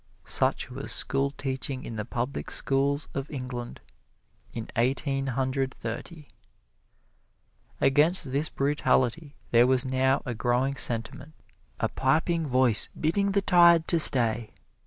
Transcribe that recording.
Such was schoolteaching in the public schools of England in Eighteen Hundred Thirty. Against this brutality there was now a growing sentiment a piping voice bidding the tide to stay!